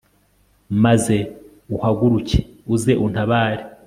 maze uhaguruke uze untabare